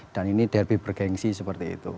dan ini derby bergensi seperti itu